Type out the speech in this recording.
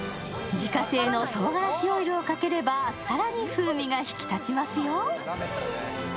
自家製のとうがらしオイルをかければ更に風味が引き立ちますよ。